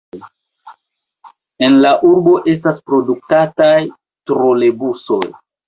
En la urbo estas produktataj trolebusoj.